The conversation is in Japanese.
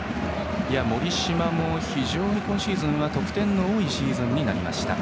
森島も非常に今シーズンは得点が多いシーズンになりました。